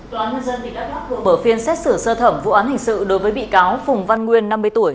tòa án nhân dân bị đáp đáp bởi phiên xét xử sơ thẩm vụ án hình sự đối với bị cáo phùng văn nguyên năm mươi tuổi